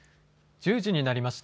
１０時になりました。